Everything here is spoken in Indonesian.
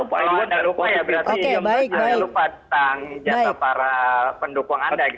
kalau anda lupa ya berarti anda lupa tentang jasa para pendukung anda